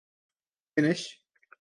Finnish